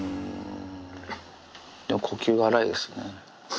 呼吸が荒いですね。